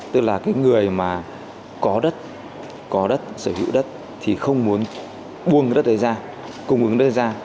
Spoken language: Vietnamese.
tức là người có đất sở hữu đất thì không muốn buông đất đấy ra